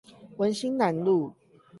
文心南路